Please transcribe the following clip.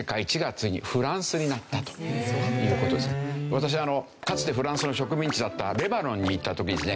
私あのかつてフランスの植民地だったレバノンに行った時にですね